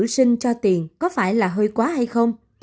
sinh cho tiền có phải là hơi quá hay không